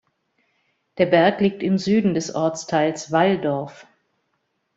Der Berg liegt im Süden des Ortsteils Valdorf.